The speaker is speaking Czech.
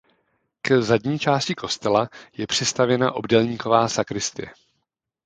K zadní části kostela je přistavěna obdélníková sakristie.